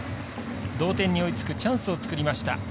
同点に追いつくチャンスを作りました。